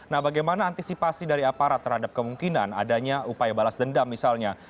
nah bagaimana antisipasi dari aparat terhadap kemungkinan adanya upaya balas dendam misalnya